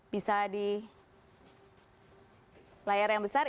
bisa di layar yang besar